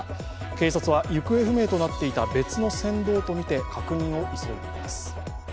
警察は行方不明となっていた別の船頭とみて確認を急いでいます。